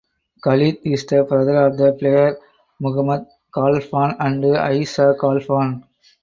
Khaled is the brother of the player Mohammed Khalfan and Eisa Khalfan.